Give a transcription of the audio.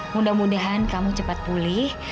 mudah mudahan kamu cepat pulih